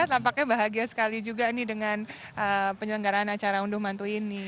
tampaknya bahagia sekali juga nih dengan penyelenggaraan acara unduh mantu ini